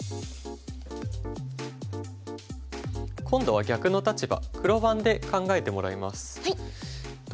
今度は逆の立場黒番で考えてもらいます。